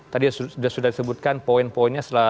tadi sudah disebutkan poin poinnya